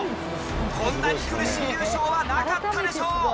こんなに苦しい優勝はなかったでしょう。